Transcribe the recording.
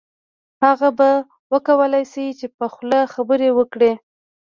هغه به وکولای شي چې په خوله خبرې وکړي